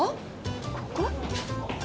ここ？